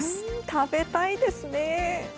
食べたいですね！